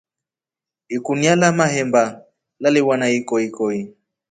Ikunia la mahemba laliwa na ikokoi.